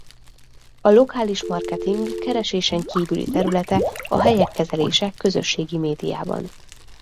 A lokális marketing keresésen kívüli területe a helyek kezelése közösségi médiában.